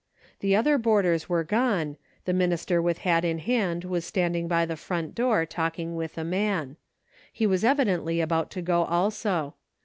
The other boarders were gone, the minister with hat in hand was standing by the front door talking with a man. He was evi dently about to go also.